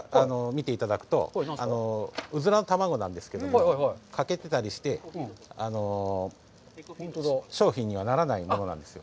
見ていただくと、うずらの卵なんですけれども、欠けてたりして、商品にはならないものなんです。